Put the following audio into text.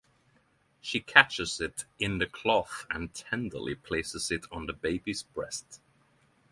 She catches it in the cloth and tenderly places it on the baby's breast.